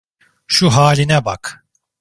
Şu haline bak.